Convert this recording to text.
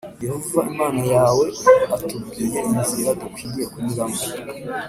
Yehova Imana yawe atubwire inzira dukwiriye kunyuramo